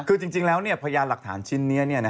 คือจริงแล้วพยานหลักฐานชิ้นนี้